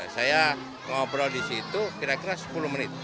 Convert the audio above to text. saya ngobrol di situ kira kira sepuluh menit